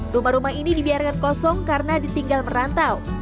rumah rumah ini dibiarkan kosong karena ditinggal merantau